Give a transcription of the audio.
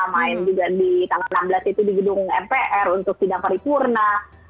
main juga di tanggal enam belas itu di gedung mpr untuk sidang paripurna